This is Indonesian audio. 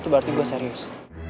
itu berarti gue serius